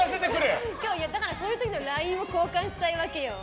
そういう時のためにＬＩＮＥを交換したいわけよ。